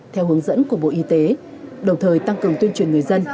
theo hướng dẫn của bộ y tế đồng thời tăng cường tuyên truyền người dân